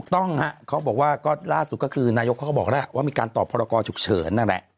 ต้องฮะเขาบอกว่าก็ล่าสุดก็คือนายกเขาก็บอกแล้วว่ามีการตอบพรกรฉุกเฉินนั่นแหละ